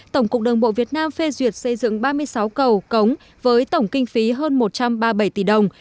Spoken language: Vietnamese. tổng cục đường bộ việt nam phê duyệt xây dựng ba mươi sáu cầu cống với tổng kinh phí hơn một trăm ba mươi bảy tỷ đồng